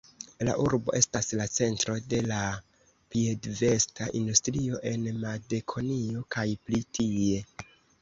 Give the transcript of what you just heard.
La urbo estas la centro de la piedvesta industrio en Makedonio kaj pli tie.